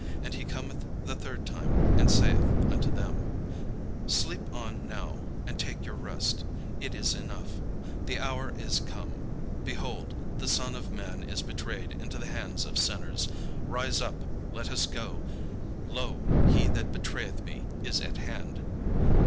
And he cometh the third time, and saith unto them: "Sleep on now, and take your rest: it is enough, the hour is come; behold, the Son of man is betrayed into the hands of sinners. Rise up, let us go; lo, he that betrayeth me is at hand."